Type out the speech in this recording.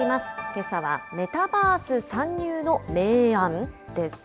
けさは、メタバース参入の明暗？